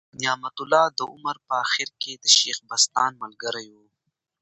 نعمت الله د عمر په آخر کي د شېخ بستان ملګری ؤ.